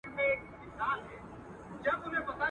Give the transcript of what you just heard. کور پاته سی ځان کورنی او ټولنه مو وژغوری..